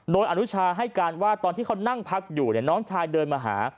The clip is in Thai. โดยอนุชาให้การว่าตอนที่เขานั่งพักอยู่น้องชายเดินมาหา